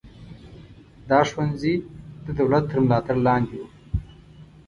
دا ښوونځي د دولت تر ملاتړ لاندې وو.